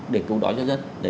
để cứu đói cho dân